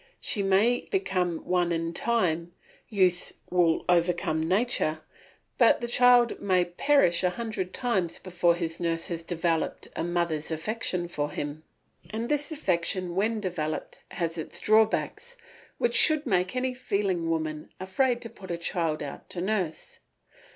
She may become one in time; use will overcome nature, but the child may perish a hundred times before his nurse has developed a mother's affection for him. And this affection when developed has its drawbacks, which should make any feeling woman afraid to put her child out to nurse.